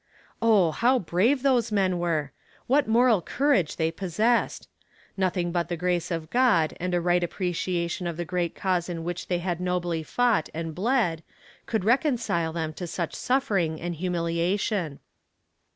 Oh, how brave those men were! What moral courage they possessed! Nothing but the grace of God and a right appreciation of the great cause in which they had nobly fought, and bled, could reconcile them to such suffering and humiliation.